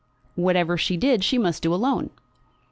Whatever she did she must do alone!